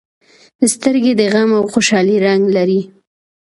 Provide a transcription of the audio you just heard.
سترګې د غم او خوشالۍ رنګ لري